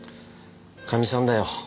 かみさんだよ。